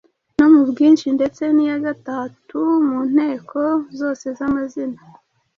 no mu bwinshi ndetse n’iya gatatu mu nteko zose z’amazina.